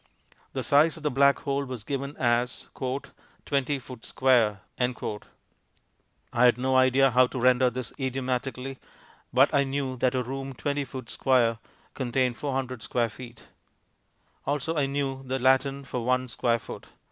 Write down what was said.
The size of the Black Hole was given as "twenty foot square." I had no idea how to render this idiomatically, but I knew that a room 20 ft. square contained 400 square feet. Also I knew the Latin for one square foot.